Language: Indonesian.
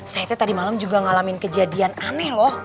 saya tadi malam juga ngalamin kejadian aneh loh